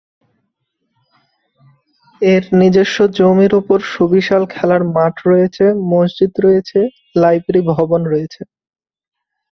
এর নিজস্ব জমির উপর সুবিশাল খেলার মাঠ রয়েছে, মসজিদ রয়েছে, লাইব্রেরী ভবন রয়েছে।